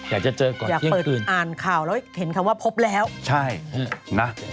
อยากจะเจอก่อนอยากเปิดอ่านข่าวแล้วเห็นคำว่าพบแล้วใช่นะ